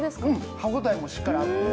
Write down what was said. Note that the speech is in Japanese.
歯応えをしっかりある。